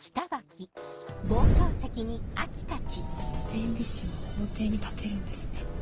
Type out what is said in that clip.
弁理士も法廷に立てるんですね。